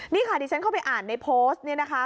นี่ค่ะดิฉันเข้าไปอ่านในโพสต์นี่นะคะ